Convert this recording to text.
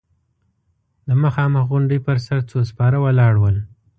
د مخامخ غونډۍ پر سر څو سپاره ولاړ ول.